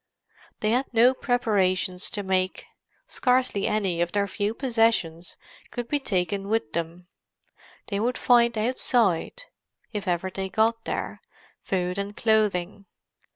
They had no preparations to make. Scarcely any of their few possessions could be taken with them; they would find outside—if ever they got there—food and clothing.